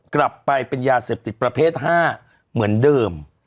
กลับไปเป็นยาเสพติดประเภท๕เหมือนเดิม